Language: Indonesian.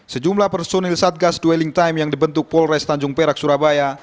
sejumlah personil satgas dwelling time yang dibentuk polres tanjung perak surabaya